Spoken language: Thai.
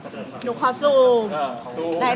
ดูความสูง